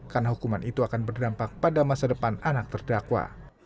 karena hukuman itu akan berdampak pada masa depan anak terdakwa